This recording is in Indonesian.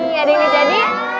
jadi ini jadi